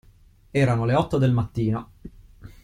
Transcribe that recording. Erano le otto del mattino.